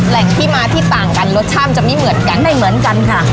แหล่งที่มาที่ต่างกันรสชาติจะไม่เหมือนกันไม่เหมือนกันค่ะ